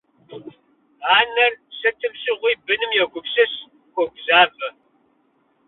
Анэр сытым щыгъуи быным йогупсыс, хуогузавэ.